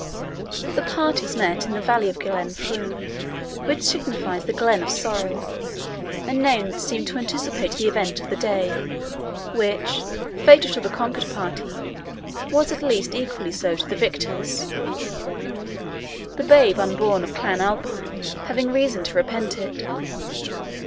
The parties met in the valley of Glenfruin, which signifies the Glen of Sorrow a name that seemed to anticipate the event of the day, which, fatal to the conquered party, was at least equally so to the victors, the "babe unborn" of Clan Alpine having reason to repent it.